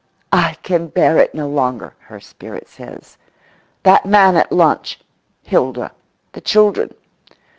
"I can bear it no longer," her spirit says. "That man at lunch—Hilda—the children."